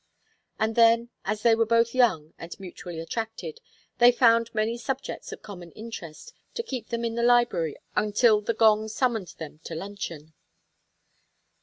And then, as they were both young, and mutually attracted, they found many subjects of common interest to keep them in the library until the gong summoned them to luncheon.